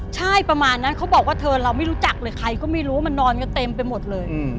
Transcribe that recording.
ใช่ประมาณนั้นเขาบอกว่าเธอเราไม่รู้จักเลยใครก็ไม่รู้ว่ามันนอนกันเต็มไปหมดเลย